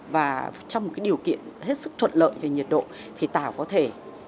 và trong một điều kiện hết sức thuận lợi về nhiệt độ thì tàu có thể